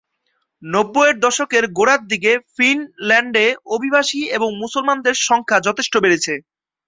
নব্বইয়ের দশকের গোড়ার দিকে ফিনল্যান্ডে অভিবাসী এবং মুসলমানদের সংখ্যা যথেষ্ট বেড়েছে।